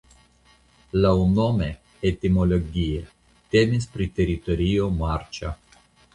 Laŭnome (etimologie) temis pri teritorio marĉa.